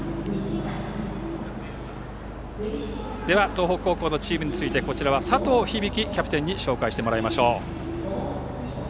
では、東北高校のチームについて佐藤響キャプテンに紹介してもらいましょう。